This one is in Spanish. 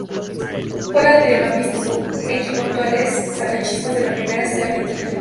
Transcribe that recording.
Juega de mediocampista y su equipo actual es Sacachispas de la Primera C Argentina.